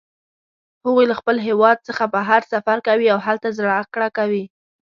هغوی له خپل هیواد څخه بهر سفر کوي او هلته زده کړه کوي